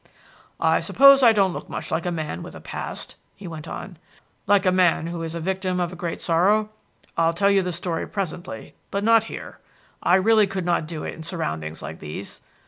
"I suppose I don't look much like a man with a past," he went on; "like a man who is the victim of a great sorrow. I'll tell you the story presently, but not here; I really could not do it in surroundings like these.